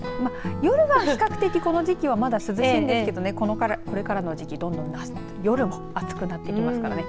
夜は比較的この時期は涼しいんですけどこれからの時期どんどん夜も暑くなってきますからね